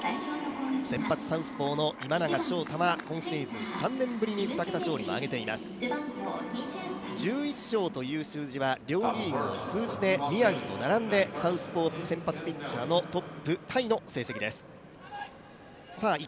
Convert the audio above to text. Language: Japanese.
先発サウスポー、今永昇太は今シーズン３試合ぶり２桁勝利をあげています、１１勝という数字は両リーグ通じて宮城と並んでサウスポー先発ピッチャーのトップタイの成績です。